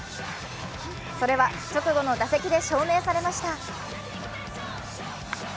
それは直後の打席で証明されました。